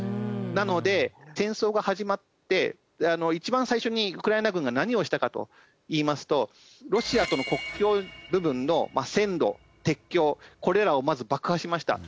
なので戦争が始まって一番最初にウクライナ軍が何をしたかといいますとロシアとの国境部分の線路鉄橋これらをまず爆破しました。